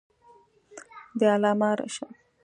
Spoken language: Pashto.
د علامه رشاد لیکنی هنر مهم دی ځکه چې اسلامي ارزښتونه ساتي.